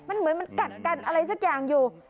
มันเหมือนมันกัดกันอะไรสักอย่างอยู่